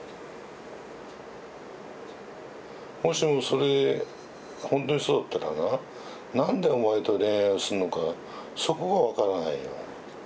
もしもそれほんとにそうだったらな何でお前と恋愛をするのかそこが分からないよ。